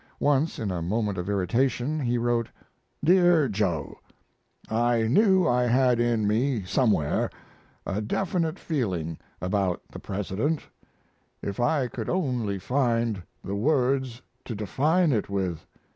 Once, in a moment of irritation, he wrote: DEAR JOE, I knew I had in me somewhere a definite feeling about the President. If I could only find the words to define it with!